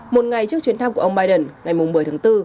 một ngày trước chuyến thăm của ông biden ngày một mươi tháng bốn